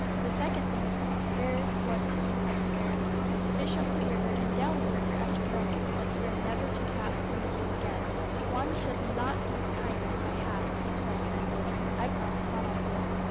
"The second thing is to spare what you have spared. Fish up the river and down the river at your will, but swear never to cast net in this pool again." "One should not do kindness by halves," said Kind William. "I promise that also."